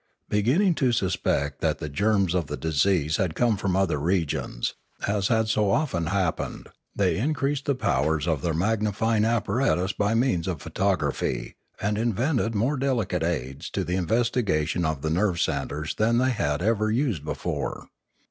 Begin ning to suspect that the germs of the disease had come from other regions, as had so often happened, they in creased the powers of their magnifying apparatus by means of photography, and invented more delicate aids to the investigation of the nerve centres than they had ever used before.